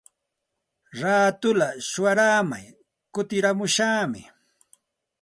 Raatulla shuyaaramay kutiramushaqmi.